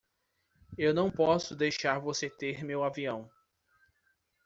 Eu não posso deixar você ter meu avião.